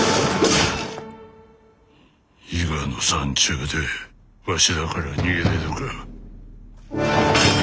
伊賀の山中でわしらから逃げれるか？